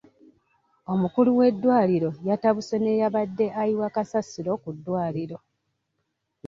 Omukulu w'eddwaliro yatabuse n'eyabadde ayiwa kasasiro ku ddwaliro.